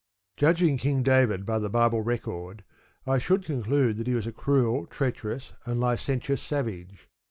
Judging King David by the Bible record, I should conclude that he was a cruel, treacherous, and licentious savage.